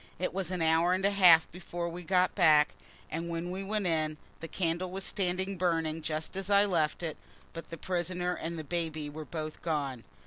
It was an hour and a half before we got back, and when we went in, the candle was standing burning just as I left it, but the prisoner and the baby were both gone.